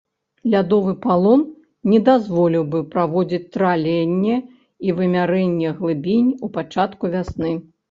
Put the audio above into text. Лядовы палон не дазволіў бы праводзіць траленне і вымярэнне глыбінь у пачатку вясны.